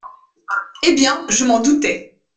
Eh bien, je m’en doutais.